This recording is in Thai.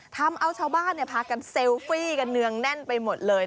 ทำเอาชาวบ้านพากันเซลฟี่กันเนืองแน่นไปหมดเลย